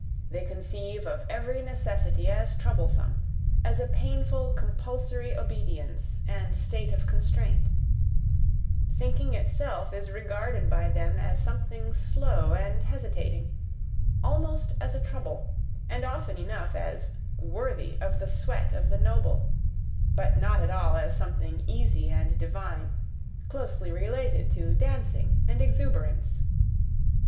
They conceive of every necessity as troublesome, as a painful compulsory obedience and state of constraint; thinking itself is regarded by them as something slow and hesitating, almost as a trouble, and often enough as "worthy of the SWEAT of the noble" but not at all as something easy and divine, closely related to dancing and exuberance!